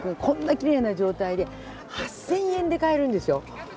こんなきれいな状態で８，０００円で買えるんですよ。